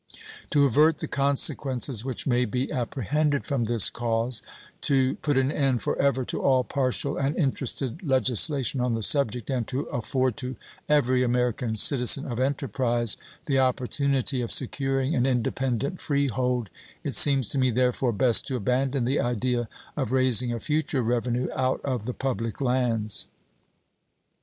To avert the consequences which may be apprehended from this cause, to pub an end for ever to all partial and interested legislation on the subject, and to afford to every American citizen of enterprise the opportunity of securing an independent freehold, it seems to me, therefore, best to abandon the idea of raising a future revenue out of the public lands.